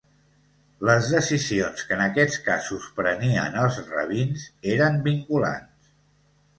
Les decisions que en aquests casos prenien els Rabins eren vinculants.